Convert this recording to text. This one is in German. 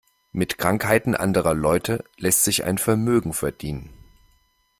Mit Krankheiten anderer Leute lässt sich ein Vermögen verdienen.